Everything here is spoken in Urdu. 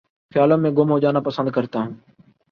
خیالوں میں گم ہو جانا پسند کرتا ہوں